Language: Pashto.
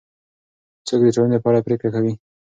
څوک د ټولنې په اړه پرېکړه کوي؟